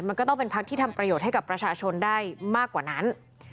มันก็ต้องเป็นพักที่ทำประโยชน์ให้กับประชาชนได้มากกว่านั้น